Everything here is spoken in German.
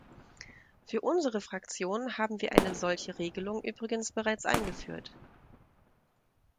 Für unsere Fraktion haben wir eine solche Regelung übrigens bereits eingeführt.